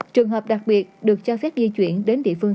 một trường hợp đặc biệt được cho phép di chuyển đến địa phương